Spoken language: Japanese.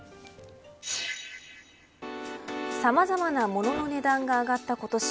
さまざまなものの値段が上がった今年。